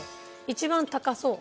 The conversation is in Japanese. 一番高そう。